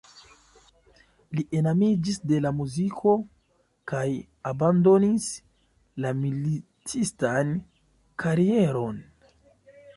Li enamiĝis de la muziko kaj abandonis la militistan karieron.